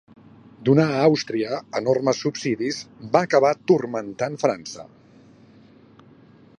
Donar a Àustria enormes subsidis va acabar turmentant França.